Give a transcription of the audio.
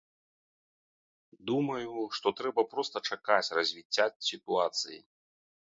Думаю, што трэба проста чакаць развіцця сітуацыі.